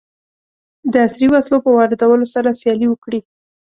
د عصري وسلو په واردولو سره سیالي وکړي.